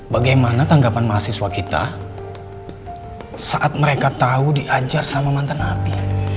bagaimana tanggapan mahasiswa kita saat mereka tahu diajar sama mantan api